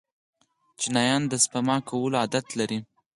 چینایان د سپما کولو عادت لري.